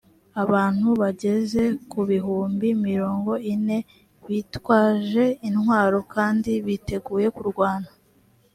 abantu bageze ku bihumbi mirongo ine, bitwaje intwaro kandi biteguye kurwana,